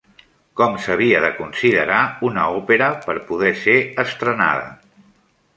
Com s'havia de considerar una òpera per poder ser estrenada?